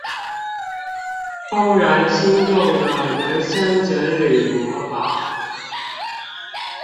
怦然心動的人生整理魔法